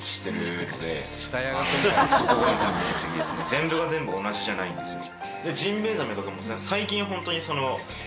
全部が全部同じじゃないんですよ。